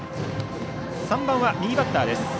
３番は右バッターです。